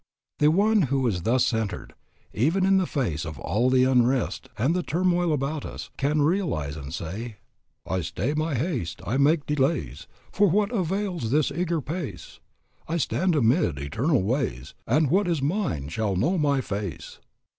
The one who is thus centred, even in the face of all the unrest and the turmoil about us, can realize and say "I stay my haste, I make delays, For what avails this eager pace? I stand amid eternal ways, And what is mine shall know my face.